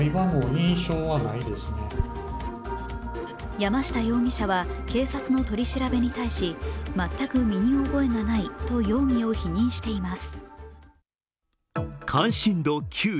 山下容疑者は警察の取り調べに対し全く身に覚えがないと容疑を否認しています。